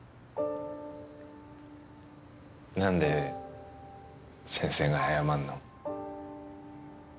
何で先生が謝るの？